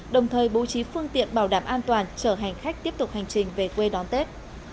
đồng thời bố trí phương tiện bảo đảm an toàn chở hành khách tiếp tục hành trình về quê đón tết